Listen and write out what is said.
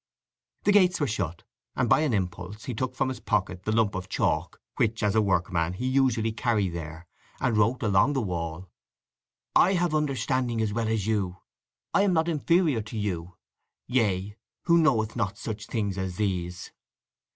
The gates were shut, and, by an impulse, he took from his pocket the lump of chalk which as a workman he usually carried there, and wrote along the wall: "_I have understanding as well as you; I am not inferior to you: yea, who knoweth not such things as these?